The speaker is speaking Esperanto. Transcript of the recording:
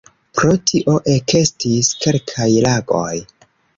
Pro tio ekestis kelkaj lagoj.